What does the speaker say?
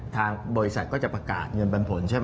ทางบริษัทก็จะประกาศเงินปันผลใช่ไหม